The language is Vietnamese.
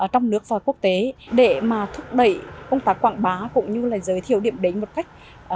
trong nước và quốc tế để mà thúc đẩy công tác quảng bá cũng như là giới thiệu điểm đến một cách